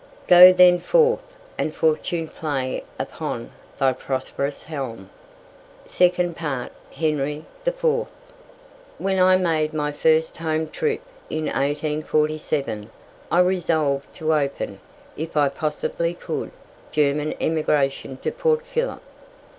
"Go then forth, and fortune play upon Thy prosperous helm." 2nd part Henry IV. When I made my first Home trip, in 1847, I resolved to open, if I possibly could, German emigration to Port Phillip.